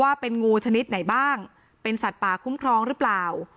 ว่าเป็นงูชนิดไหนบ้างเป็นสัตว์ป่าคุ้มครองหรือเปล่า